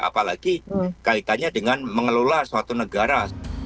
apalagi kaitannya dengan mengelola suatu negara